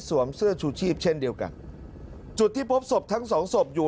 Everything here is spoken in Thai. เสื้อชูชีพเช่นเดียวกันจุดที่พบศพทั้งสองศพอยู่